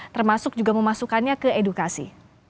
termasuk juga memasukkannya ke edukasi